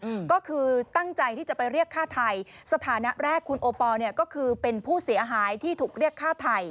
อืมก็คือตั้งใจที่จะไปเรียกฆ่าไทยสถานะแรกคุณโอปอลเนี้ยก็คือเป็นผู้เสียหายที่ถูกเรียกฆ่าไทย